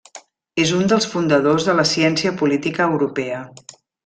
És un dels fundadors de la ciència política europea.